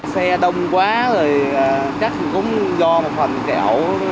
xe đông quá rồi chắc cũng do một phần kẹo